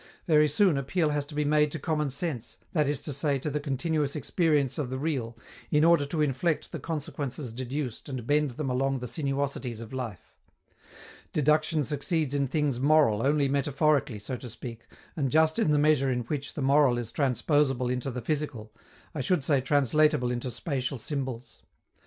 Very soon appeal has to be made to common sense, that is to say, to the continuous experience of the real, in order to inflect the consequences deduced and bend them along the sinuosities of life. Deduction succeeds in things moral only metaphorically, so to speak, and just in the measure in which the moral is transposable into the physical, I should say translatable into spatial symbols.